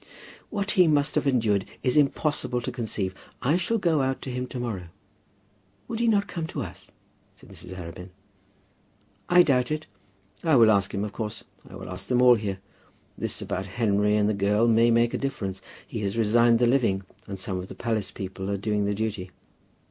"What he must have endured it is impossible to conceive. I shall go out to him to morrow." "Would he not come to us?" said Mrs. Arabin. "I doubt it. I will ask him, of course. I will ask them all here. This about Henry and the girl may make a difference. He has resigned the living, and some of the palace people are doing the duty."